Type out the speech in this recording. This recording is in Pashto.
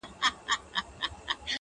را ژوندی سوی يم’ اساس يمه احساس يمه’